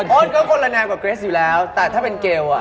ทีนี้ก็นำมาเป็น